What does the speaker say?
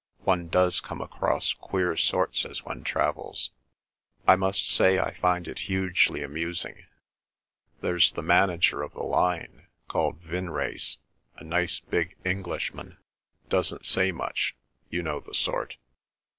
One does come across queer sorts as one travels. I must say I find it hugely amusing. There's the manager of the line—called Vinrace—a nice big Englishman, doesn't say much—you know the sort.